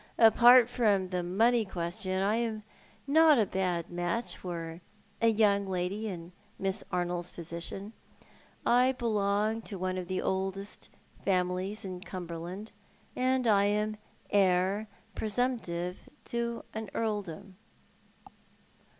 Apart from the money question, I am not a bad match for a young lady in Miss Arnold's position. I belong to one of the oldest families in Cumberland, and I am heir presumptive to an earldom."